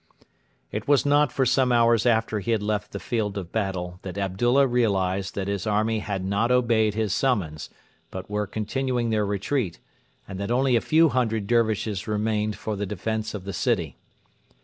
It was not for some hours after he had left the field of battle that Abdullah realised that his army had not obeyed his summons, but were continuing their retreat, and that only a few hundred Dervishes remained for the defence of the city.